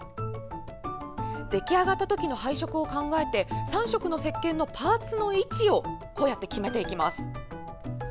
出来上がったときの配色を考えて３色のせっけんのパーツの位置を決めていきます。